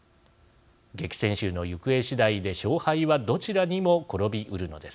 激戦州の行方次第で勝敗はどちらにも転びうるのです。